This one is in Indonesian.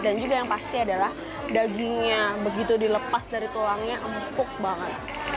juga yang pasti adalah dagingnya begitu dilepas dari tulangnya empuk banget